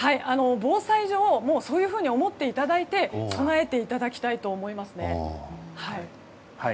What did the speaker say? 防災上そういうふうに思っていただいて備えていただきたいと思います。